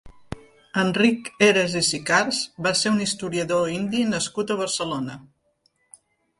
Enric Heras i Sicars va ser un historiador indi nascut a Barcelona.